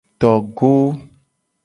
Togo.